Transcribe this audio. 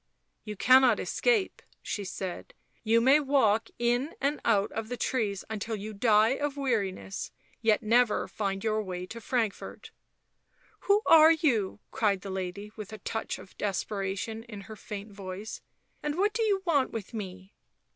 " You cannot escape," she said. " You may walk in and out the trees until you die of weariness, yet never find your way to Frankfort." "Who are you?" cried the lady, with a touch of desperation in her faint voice. " And what do you want with me